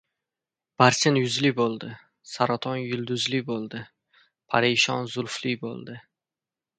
Barchin yuzli bo‘ldi, saraton yulduzli bo‘ldi, parishon zulfli bo‘ldi.